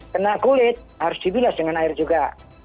kena kulit harus dibilas dengan air juga